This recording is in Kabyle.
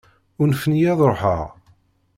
Unfen-iyi ad ruḥeɣ.